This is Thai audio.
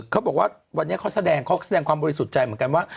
เขาบอกว่าวันนี้เขาแสดงเขาแสดงความบริสุทธิ์ใจเหมือนกันว่า